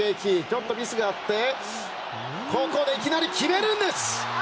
ちょっとミスがあってここでいきなり決めるんです！